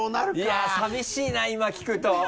いやぁさみしいな今聞くと。